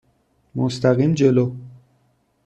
مستقیم جلو.